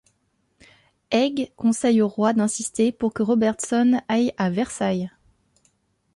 Haig conseille au roi d'insister pour que Robertson aille à Versailles.